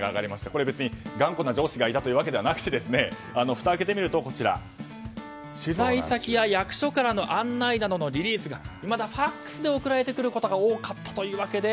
これは頑固な上司がいたというわけではなくてふたを開けてみると取材先や役所からの案内などのリリースがいまだにＦＡＸで送られてくることが多かったというわけで。